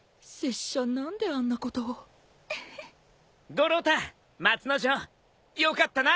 五郎太松之丞よかったな。